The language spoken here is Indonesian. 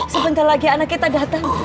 sebentar lagi anak kita datang